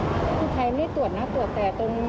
แล้วพอมาที่ไทยแล้วค่ะมีการตรวจไหม